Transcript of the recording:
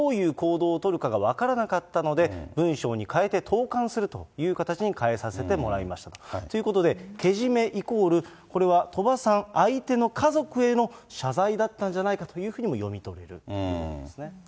彼、鳥羽さんがどういう行動を取るかが分からなかったので、文章に代えて投かんするという形に代えさせてもらいましたと。ということで、けじめイコールこれは鳥羽さん、相手の家族への謝罪だったんじゃないかというふうにも読み取れるということですね。